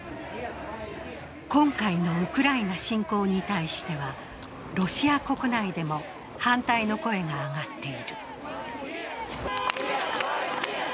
今回のウクライナ侵攻に対してはロシア国内でも反対の声が上がっている。